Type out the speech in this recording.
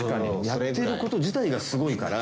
「やってること自体がすごいから」